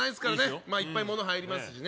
うんまあいっぱい物入りますしね